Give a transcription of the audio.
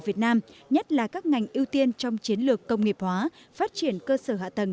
việt nam nhất là các ngành ưu tiên trong chiến lược công nghiệp hóa phát triển cơ sở hạ tầng